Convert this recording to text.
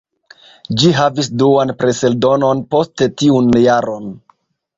Ĝi havis duan preseldonon poste tiun jaron.